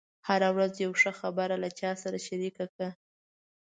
هره ورځ یوه ښه خبره له چا سره شریکه کړه.